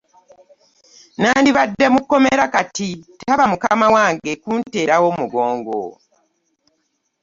Nandibadde mu kkomera kati taba mukama wange kunteerawo mugongo.